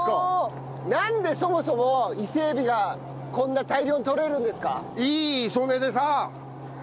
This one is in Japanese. なんでそもそも伊勢エビがこんな大量にとれるんですか？